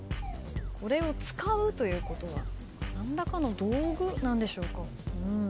これを使うということは何らかの道具なんでしょうか。